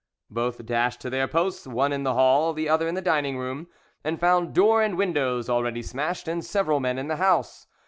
Both dashed to their posts, one in the hall, the other in the dining room, and found door and windows already smashed, and several men in the house.